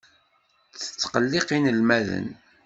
Tettqelliq inelmaden.